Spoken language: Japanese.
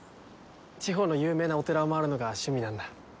地方の有名なお寺を回るのが趣味なんだ。